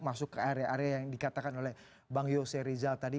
masuk ke area area yang dikatakan oleh bang yose rizal tadi